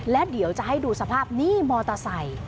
และเดี๋ยวจะให้ดูสภาพนี่มอเตอร์ไซค์